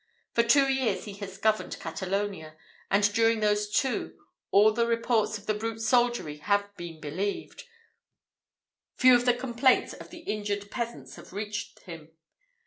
For two years he has governed Catalonia, and during those two all the reports of the brute soldiery have been believed few of the complaints of the injured peasants have reached him.